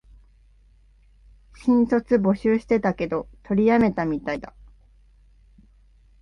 新卒募集してたけど、取りやめたみたいだ